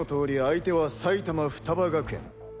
相手は埼玉ふたば学園。